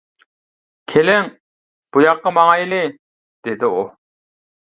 -كېلىڭ، بۇ ياققا ماڭايلى، -دېدى ئۇ.